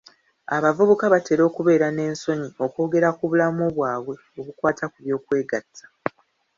Abavubuka batera okubeera n'ensonyi okwogera ku bulamu bwabwe obukwata ku by'okwegatta.